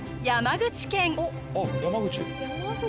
山口県。